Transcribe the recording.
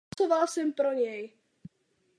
Hlasoval jsem pro něj.